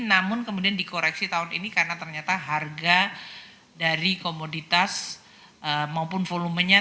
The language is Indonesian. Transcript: namun kemudian dikoreksi tahun ini karena ternyata harga dari komoditas maupun volumenya